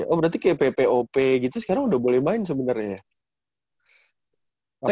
oh berarti kayak ppop gitu sekarang udah boleh main sebenarnya ya